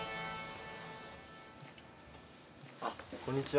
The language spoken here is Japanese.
あっこんにちは。